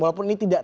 walaupun ini tidak